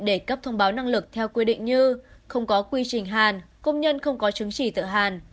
để cấp thông báo năng lực theo quy định như không có quy trình hàn công nhân không có chứng chỉ tự hàn